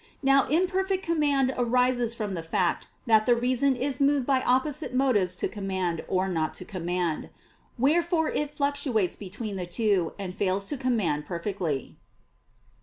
Now imperfect command arises from the fact that the reason is moved by opposite motives to command or not to command: wherefore it fluctuates between the two, and fails to command perfectly.